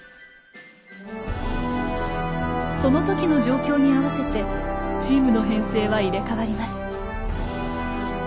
その時の状況に合わせてチームの編成は入れ替わります。